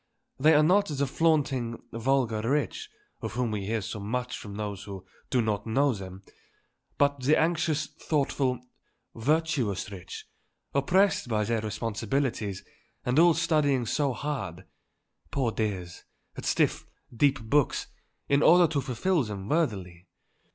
They are not the flaunting, vulgar rich, of whom we hear so much from those who do not know them, but the anxious, thoughtful, virtuous rich, oppressed by their responsibilities and all studying so hard, poor dears, at stiff, deep books, in order to fulfil them worthily.